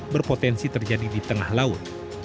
berpotensi terjadi di tengah laut